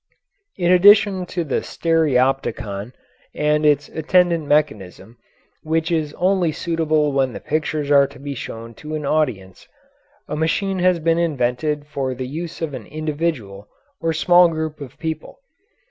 In addition to the stereopticon and its attendant mechanism, which is only suitable when the pictures are to be shown to an audience, a machine has been invented for the use of an individual or a small group of people.